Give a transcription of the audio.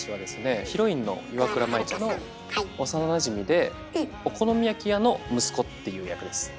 ヒロインの岩倉舞ちゃんの幼なじみでお好み焼き屋の息子っていう役です。